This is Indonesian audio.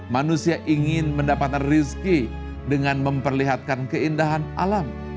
manusia ingin mendapatkan rizki dengan memperlihatkan keindahan alam